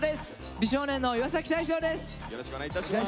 美少年の岩大昇です。